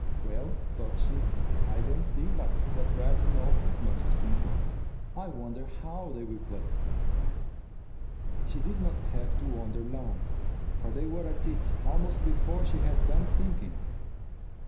"Well," thought she, "I don't see but that rabbits know as much as people. I wonder how they will play." She did not have to wonder long, for they were at it almost before she had done thinking.